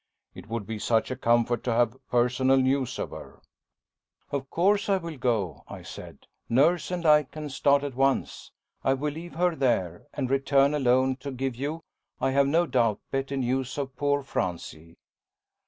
"It would be such a comfort to have personal news of her." "Of course I will go," I said. "Nurse and I can start at once. I will leave her there, and return alone, to give you, I have no doubt, better news of poor Francie."